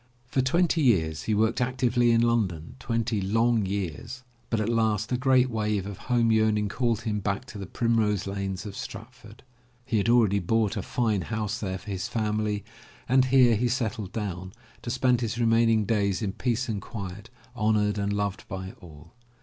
For twenty years he worked actively in London, twenty long years, but at last a great wave of home yearning called him back to the primrose lanes of Stratford. He had already bought a fine house there for his family and here he settled down, to spend his remaining years in peace and quiet, honored and loved by all.